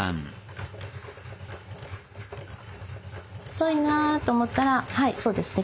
細いなと思ったらはいそうですね